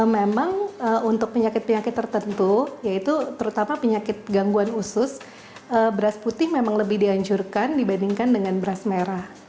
memang untuk penyakit penyakit tertentu yaitu terutama penyakit gangguan usus beras putih memang lebih dihancurkan dibandingkan dengan beras merah